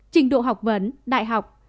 trình độ học vấn đại học